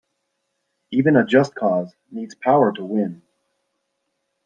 Even a just cause needs power to win.